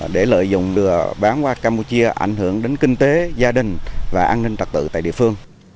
để lợi dụng đưa bán qua campuchia ảnh hưởng đến kinh tế gia đình và an ninh trật tự tại địa phương